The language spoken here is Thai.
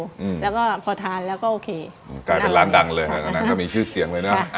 อืมแล้วก็พอทานแล้วก็โอเคอืมกลายเป็นร้านดังเลยหลังจากนั้นก็มีชื่อเสียงเลยเนอะ